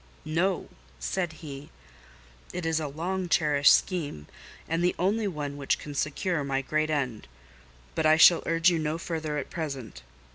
"No," said he; "it is a long cherished scheme, and the only one which can secure my great end: but I shall urge you no further at present.